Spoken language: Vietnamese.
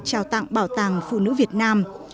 trao tặng bảo tàng phụ nữ việt nam